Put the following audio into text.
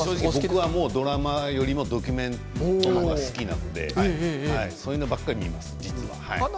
僕はドラマよりもドキュメントの方が好きなのでそういうのばっかり見ます実は。